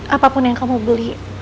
apapun yang kamu beli